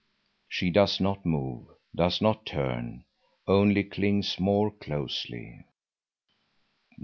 She does not move, does not turn, only clings more closely.